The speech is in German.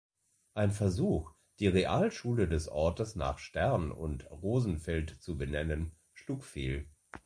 Ein Versuch, die Realschule des Ortes nach Stern und Rosenfeld zu benennen, schlug fehl.